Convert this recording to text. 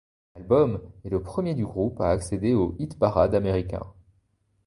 L'album est le premier du groupe a accéder au hit-parade américain.